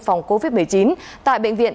phòng covid một mươi chín tại bệnh viện